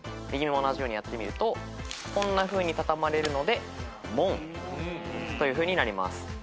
右も同じようにやってみるとこんなふうに畳まれるので「門」というふうになります。